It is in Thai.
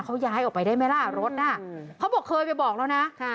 เขาย้ายออกไปได้ไหมล่ะรถน่ะเขาบอกเคยไปบอกแล้วนะ